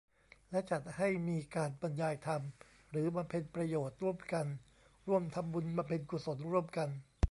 และจัดให้มีการบรรยายธรรม หรือบำเพ็ญประโยชน์ร่วมกัน ร่วมทำบุญ บำเพ็ญกุศลร่วมกัน